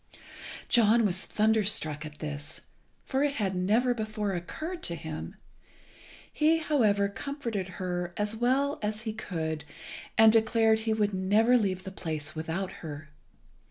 John was thunderstruck at this, for it had never before occurred to him. He, however, comforted her as well as he could, and declared he would never leave the place without her.